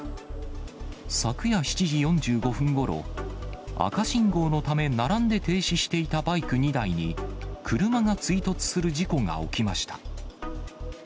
昨夜７時４５分ごろ、赤信号のため、並んで停止していたバイク２台に、車が追突する事故が起きました。